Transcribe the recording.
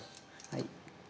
はい。